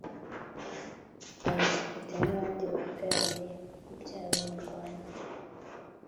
abadepite n’abandi bahagararirye ibihugu byabo mu Rwanda